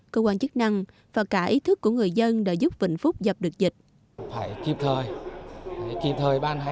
cơ quan chức năng và cả ý thức của người dân đã giúp vịnh phúc dập được dịch